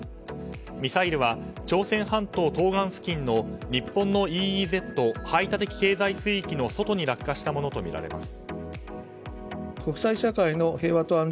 ミサイルは朝鮮半島東岸付近の日本のＥＥＺ・排他的経済水域の外に落下したものとみられます。